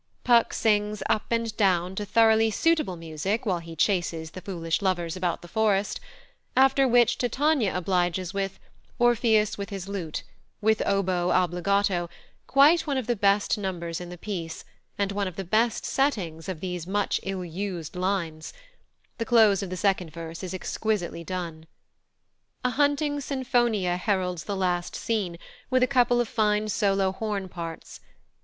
Puck sings "Up and down" to thoroughly suitable music while he chases the foolish lovers about the forest; after which Titania obliges with "Orpheus with his lute," with oboe obbligato, quite one of the best numbers in the piece and one of the best settings of these much ill used lines the close of the second verse is exquisitely done. A hunting "Sinfonia" heralds the last scene, with a couple of fine solo horn parts.